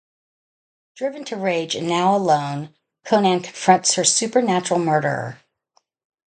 Driven to rage and now alone, Conan confronts her supernatural murderer.